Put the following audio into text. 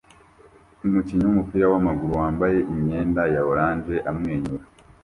Umukinnyi wumupira wamaguru wambaye imyenda ya orange amwenyura